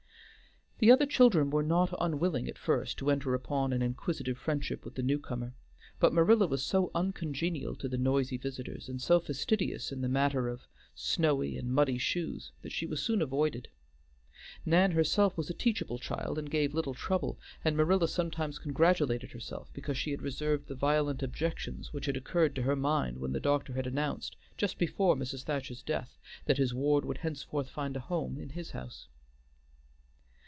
The other children were not unwilling at first to enter upon an inquisitive friendship with the new comer; but Marilla was so uncongenial to the noisy visitors, and so fastidious in the matter of snowy and muddy shoes, that she was soon avoided. Nan herself was a teachable child and gave little trouble, and Marilla sometimes congratulated herself because she had reserved the violent objections which had occurred to her mind when the doctor had announced, just before Mrs. Thacher's death, that his ward would henceforth find a home in his house.